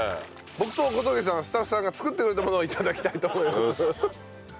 僕と小峠さんはスタッフさんが作ってくれたものを頂きたいと思います。